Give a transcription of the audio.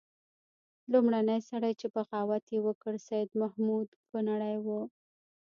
لومړنی سړی چې بغاوت یې وکړ سید محمود کنړی وو.